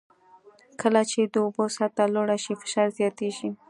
کله چې د اوبو سطحه لوړه شي فشار زیاتېږي.